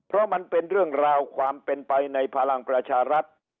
เพราะมันเป็นเรื่องราวความเป็นไปในพลังประชารัฐ